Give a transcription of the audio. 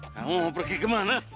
kamu mau pergi kemana